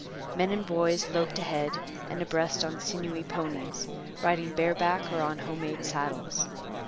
Men and boys loped ahead and abreast on sinewy ponies, riding bareback or on home made saddles.